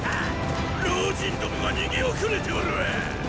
老人どもが逃げ遅れておるわ！